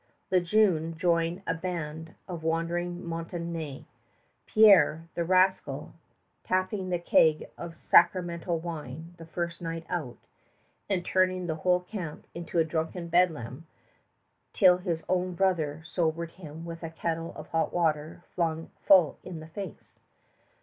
Le Jeune joined a band of wandering Montaignais, Pierre, the rascal, tapping the keg of sacramental wine the first night out, and turning the whole camp into a drunken bedlam, till his own brother sobered him with a kettle of hot water flung full in the face.